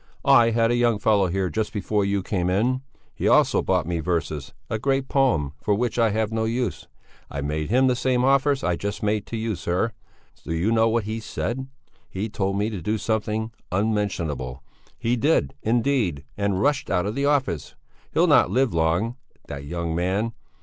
"I had a young fellow here just before you came in; he also brought me verses, a great poem, for which I have no use. I made him the same offers I just made to you, sir; do you know what he said? He told me to do something unmentionable. He did, indeed, and rushed out of the office. He'll not live long, that young man!